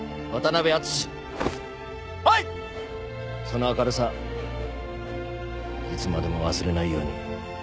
その明るさいつまでも忘れないように。